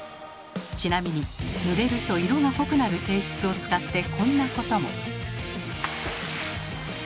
ちなみにぬれると色が濃くなる性質を使ってこんなことも。